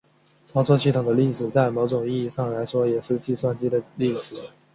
操作系统的历史在某种意义上来说也是计算机的历史。